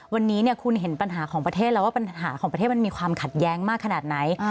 วันนี้คุณเห็นปัญหาของประเทศแล้วว่าปัญหาของประเทศมันมีความขัดแย้งมากขนาดไหน